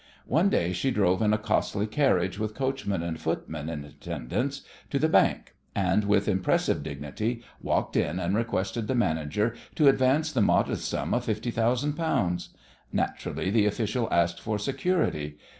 One day she drove in a costly carriage, with coachman and footman in attendance, to the bank, and with impressive dignity walked in and requested the manager to advance the modest sum of fifty thousand pounds. Naturally the official asked for security.